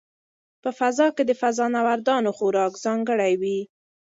په فضا کې د فضانوردانو خوراک ځانګړی وي.